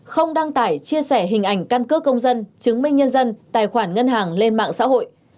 không đăng tải chia sẻ hình ảnh căn cước công dân chứng minh nhân dân tài khoản ngân hàng lên mạng xã hội